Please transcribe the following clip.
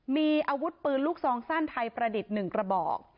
มีอาวุธปืนลูกซองสั้นไทยประดิษฐ์๑กระบอก